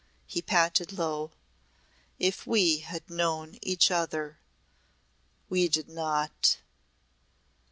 he panted low. "If we had known each other! We did not!"